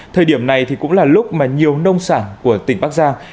thời điểm này thì cũng là lúc mà nhiều nông sản của tỉnh bắc giang